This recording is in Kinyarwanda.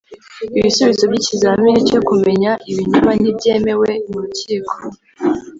ibisubizo by'ikizamini cyo kumenya ibinyoma ntibyemewe mu rukiko